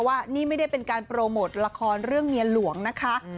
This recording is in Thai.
ว่านี่ไม่ได้เป็นการโปรโมทละครเรื่องเมียหลวงนะคะ